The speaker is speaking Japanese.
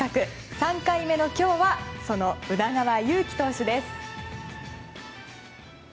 ３回目の今日はその宇田川優希選手です。